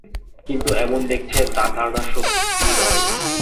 কিন্তু এখন দেখছেন, তাঁর ধারণা সত্যি নয়।